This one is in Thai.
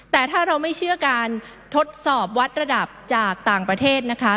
แต่ถ้าเราไม่เชื่อการทดสอบวัดระดับจากต่างประเทศนะคะ